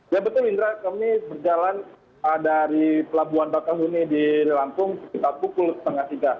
ya betul indra kami berjalan dari pelabuhan bakahuni di lampung sekitar pukul setengah tiga